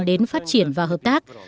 đến phát triển và hợp tác